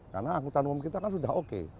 karena angkutan umum kita kan sudah oke